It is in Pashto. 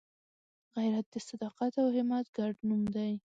غیرت د صداقت او همت ګډ نوم دی